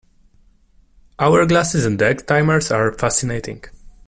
Hourglasses and egg timers are fascinating.